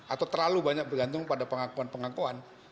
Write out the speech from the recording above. atau terlalu banyak bergantung pada pengakuan pengakuan